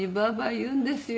言うんですよ。